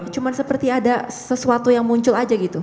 cuma seperti ada sesuatu yang muncul aja gitu